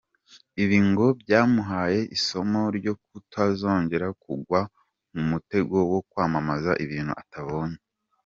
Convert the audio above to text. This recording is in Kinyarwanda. Ibi ngo byamuhaye isomo ryo kutazongera kugwa mu mutego wo kwamamaza ibintu atabonye.